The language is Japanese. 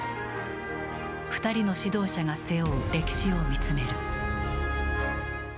２人の指導者が背負う歴史を見つ